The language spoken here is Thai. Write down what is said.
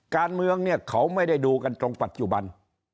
การเมืองเนี่ยเขาไม่ได้ดูกันตรงปัจจุบัน